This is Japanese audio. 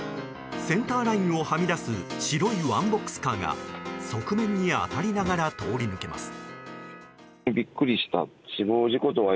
センターラインをはみ出す白いワンボックスカーが側面に当たりながら通り抜けます。